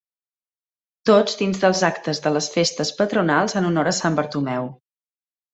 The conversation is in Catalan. Tots dins dels actes de les festes patronals en honor a Sant Bartomeu.